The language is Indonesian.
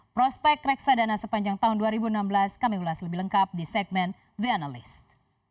prospek reksadana sepanjang tahun dua ribu enam belas kami ulas lebih lengkap di segmen the analyst